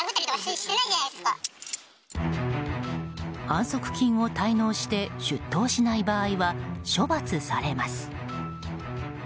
反則金を滞納して出頭しない場合は処罰されます。